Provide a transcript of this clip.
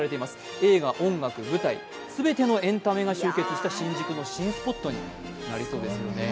映画、音楽、舞台、全てのエンタメが集結した新宿の新スポットになりそうですね。